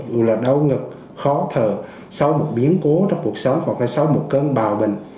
dù là đau ngực khó thở sau một biến cố trong cuộc sống hoặc là sau một cơn bào bệnh